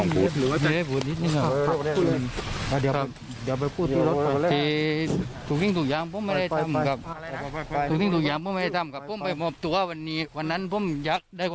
บุฏเล่นอ่ามันจะได้อย่างนี้เนี้ยบุฏเล่นเห็นไงกำลังไปหยก